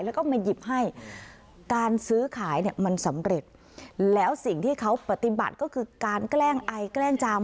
แล้วก็มาหยิบให้การซื้อขายเนี่ยมันสำเร็จแล้วสิ่งที่เขาปฏิบัติก็คือการแกล้งไอแกล้งจาม